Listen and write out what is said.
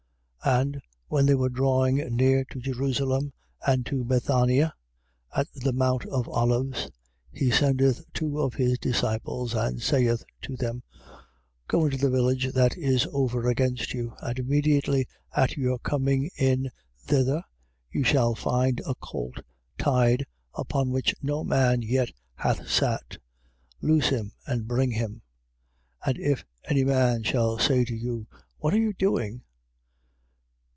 11:1. And when they were drawing near to Jerusalem and to Bethania, at the mount of Olives, he sendeth two of his disciples, 11:2. And saith to them: Go into the village that is over against you, and immediately at your coming in thither, you shall find a colt tied, upon which no man yet hath sat. Loose him and bring him. 11:3. And if any man shall say to you: What are you doing?